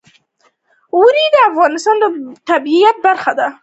اوړي د افغانستان د طبیعت برخه ده.